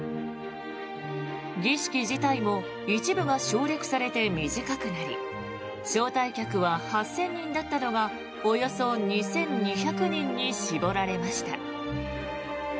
儀式自体も一部は省略されて短くなり招待客は８０００人だったのがおよそ２２００人に絞られました。